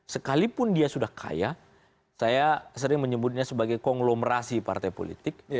sekalipun dia sudah kaya saya sering menyebutnya sebagai konglomerasi partai politik